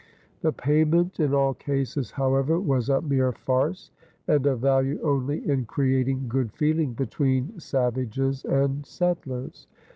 The "payment" in all cases, however, was a mere farce and of value only in creating good feeling between savages and settlers.